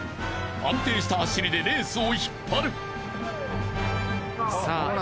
［安定した走りでレースを引っ張る］